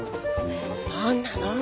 何なの？